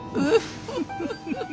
フフフフ！